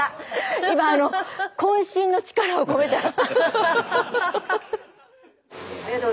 今渾身の力を込めたら。